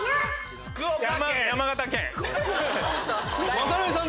・雅紀さん